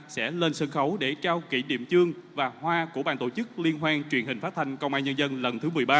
sẽ lên sân khấu để trao kỷ niệm chương và hoa của bàn tổ chức liên hoan truyền hình phát thanh công an nhân dân lần thứ một mươi ba